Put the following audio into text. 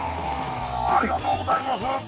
ありがとうございます。